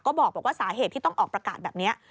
บอกว่าสาเหตุที่ต้องออกประกาศแบบนี้